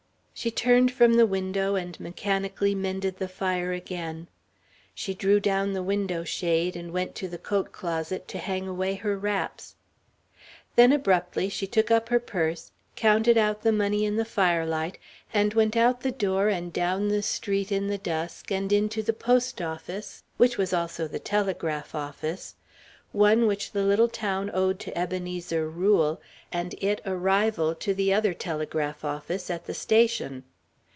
She turned from the window and mechanically mended the fire again. She drew down the window shade and went to the coat closet to hang away her wraps. Then abruptly she took up her purse, counted out the money in the firelight, and went out the door and down the street in the dusk, and into the post office, which was also the telegraph office, one which the little town owed to Ebenezer Rule, and it a rival to the other telegraph office at the station.